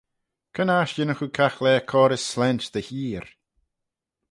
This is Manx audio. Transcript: Cre'n aght yinnagh oo caghlaa coarys slaynt dty heer?